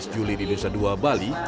tujuh belas juli di nusa dua bali